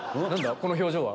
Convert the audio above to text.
この表情は。